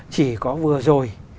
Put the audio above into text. chỉ có vừa rồi